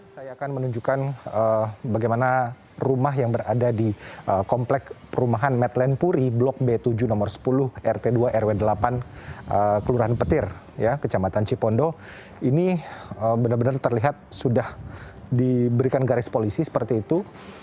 saya akan menunjukkan bagaimana rumah yang berada di komplek perumahan medland puri blok b tujuh nomor sepuluh rt dua rw delapan kelurahan petir kecamatan cipondo ini benar benar terlihat sudah diberikan garis polisi seperti itu